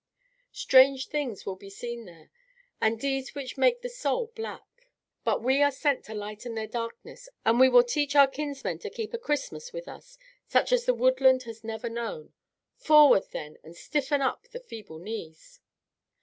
Strange things will be seen there, and deeds which make the soul black. But we are sent to lighten their darkness; and we will teach our kinsmen to keep a Christmas with us such as the woodland has never known. Forward, then, and stiffen up the feeble knees!"